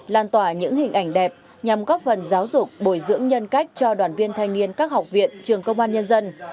lan tỏa những hình ảnh đẹp nhằm góp phần giáo dục bồi dưỡng nhân cách cho đoàn viên thanh niên các học viện trường công an nhân dân